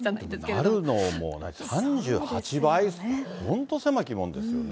なるのも３８倍、本当、狭き門ですよね。